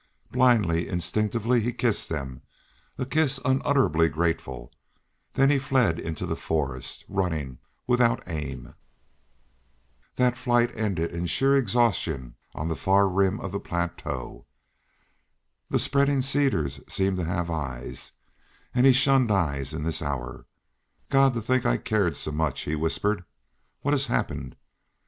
Blindly, instinctively he kissed them a kiss unutterably grateful; then he fled into the forest, running without aim. That flight ended in sheer exhaustion on the far rim of the plateau. The spreading cedars seemed to have eyes; and he shunned eyes in this hour. "God! to think I cared so much," he whispered. "What has happened?"